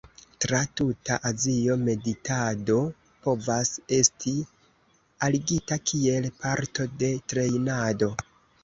Tra tuta Azio, meditado povas esti aligita kiel parto de trejnado.